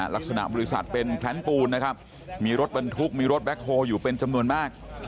ลักษณะบริษัทเป็นแพลนปูนนะครับมีรถบรรทุกมีรถแบ็คโฮลอยู่เป็นจำนวนมาก